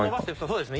そうですね